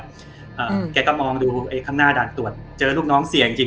แกก็มองดูไอ้ข้างหน้าด่านตรวจเจอลูกน้องเสี่ยงจริงจริง